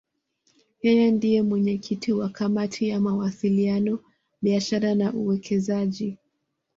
Yeye ndiye mwenyekiti wa Kamati ya Mawasiliano, Biashara na Uwekezaji.